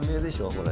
これ。